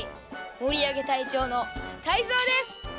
もりあげたいちょうのタイゾウです！